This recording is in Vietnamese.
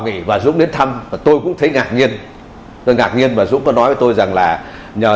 vì và dũng đến thăm và tôi cũng thấy ngạc nhiên tôi ngạc nhiên và dũng có nói với tôi rằng là nhờ